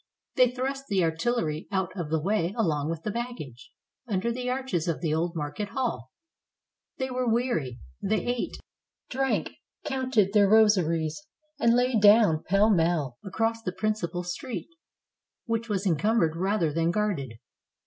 They thrust the artillery out of the way along with the baggage, under the arches of the old market hall. They were weary; they ate, drank, counted their rosaries, and lay down pell mell across the principal street, which was encumbered rather than guarded.